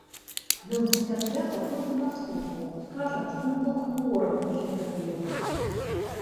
Ён пасля свята пойдзе на службу, скажа, што ён быў хворым усе гэтыя дні.